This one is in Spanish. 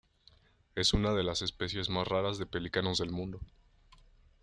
Es una de las especies más raras de pelícanos del mundo.